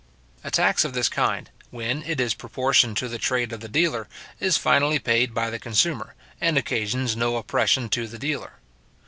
A tax of this kind, when it is proportioned to the trade of the dealer, is finally paid by the consumer, and occasions no oppression to the dealer.